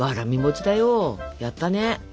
やったね。